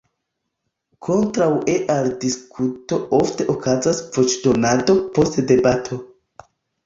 Kontraŭe al diskuto ofte okazas voĉdonado post debato.